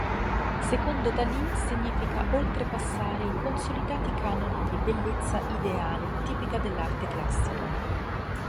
Secondo Dalì significa oltrepassare i consolidati canoni di bellezza ideale tipica dell'arte classica.